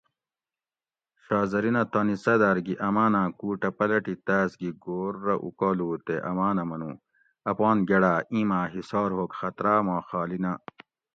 "شاہ زرینہ تانی څاداۤر گی اماناۤں کُوٹہ پلٹی تاۤس گھی گھور رہ اُوکالو تے امانہ منو ""اپان گڑاۤ اینماۤ ہِسار ہوگ خطراۤ ما خالی نہ"""